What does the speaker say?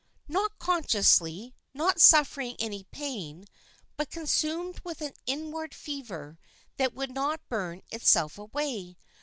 "Not consciously, not suffering any pain, but consumed with an inward fever that would not burn itself away.